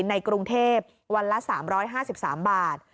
ในกรุงเทพวันละ๓๕๓บาท